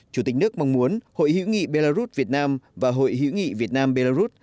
chủ tịch nước mong muốn hội hữu nghị belarus việt nam và hội hữu nghị việt nam belarus